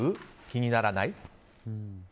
気にならない？